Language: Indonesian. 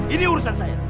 ini urusan saya